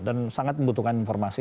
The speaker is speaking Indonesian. dan sangat membutuhkan informasi